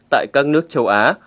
tại các nước châu á